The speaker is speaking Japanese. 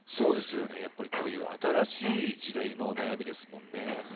こういう新しい時代の悩みですもんね。